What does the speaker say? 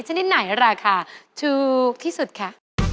ชนิดไหนราคาถูกที่สุดคะ